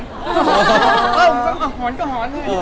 ผมก็มาหอนก็หอน